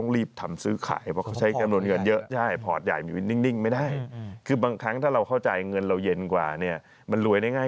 รายใหญ่เขาเอาเงินมาเนี่ย